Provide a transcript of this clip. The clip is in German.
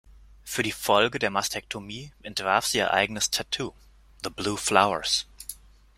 Für die Folge der Mastektomie entwarf sie ihr eigenes Tattoo, "The Blue Flowers".